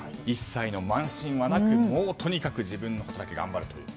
一切の慢心はなくとにかく自分のことだけ頑張ると。